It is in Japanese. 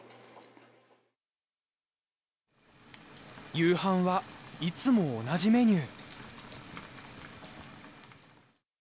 夕飯はいつも同じメニュー。